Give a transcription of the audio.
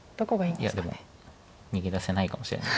いやでも逃げ出せないかもしれない。